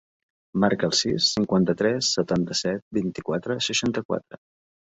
Marca el sis, cinquanta-tres, setanta-set, vint-i-quatre, seixanta-quatre.